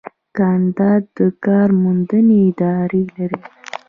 کاناډا د کار موندنې ادارې لري.